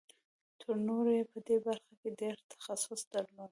تر نورو یې په دې برخه کې ډېر تخصص درلود